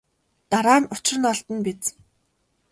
Дараа нь учир нь олдоно биз.